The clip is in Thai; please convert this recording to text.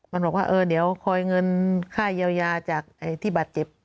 มันบอกว่าเดี๋ยวคอยเงินค่ายยาวจากที่บัตรเจ็บ